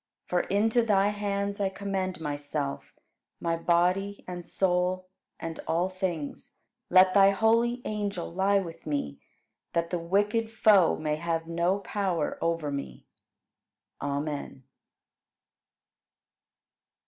For into Thy hands I commend myself, my body and soul, and all things. Let Thy holy angel lie with me, that the wicked Foe may have no power over me. Amen.